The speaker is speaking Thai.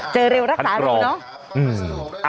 เจอเร็วรักษาเร็วเนอะ